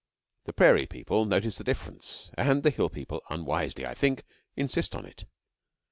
The Prairie people notice the difference, and the Hill people, unwisely, I think, insist on it.